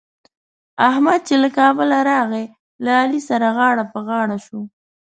احمد چې له کابله راغی؛ له علي سره غاړه په غاړه شو.